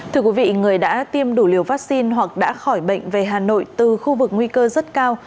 thưa quý vị người đã tiêm đủ liều vaccine hoặc đã khỏi bệnh về hà nội từ khu vực nguy cơ rất cao